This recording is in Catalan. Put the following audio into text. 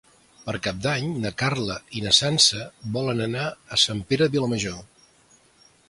Per Cap d'Any na Carla i na Sança volen anar a Sant Pere de Vilamajor.